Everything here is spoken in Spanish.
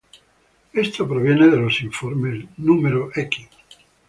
Esto proviene de los informes No.